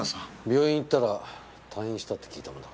病院行ったら退院したって聞いたもんだから。